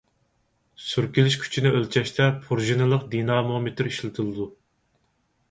سۈركىلىش كۈچىنى ئۆلچەشتە پۇرژىنىلىق دىنامومېتىر ئىشلىتىلىدۇ.